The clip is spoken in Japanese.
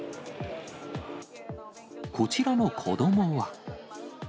こちらの子どもは。